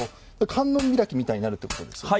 観音開きみたいになるってことですよね。